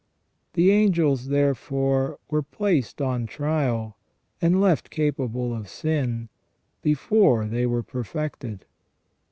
The angels, therefore, were placed on trial and left capable of sin, before they were perfected.